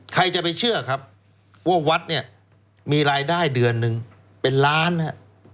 ใครจะไปเชื่อครับว่าวัดเนี่ยมีรายได้เดือนหนึ่งเป็นล้านนะครับ